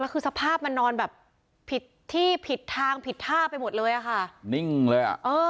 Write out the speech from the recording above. คือสภาพมันนอนแบบผิดที่ผิดทางผิดท่าไปหมดเลยอะค่ะนิ่งเลยอ่ะเออ